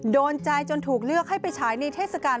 โดนใจจนถูกเลือกให้ไปฉายในเทศกาล